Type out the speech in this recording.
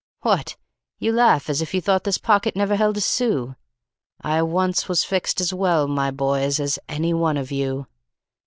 What? You laugh as if you thought this pocket never held a sou; I once was fixed as well, my boys, as any one of you.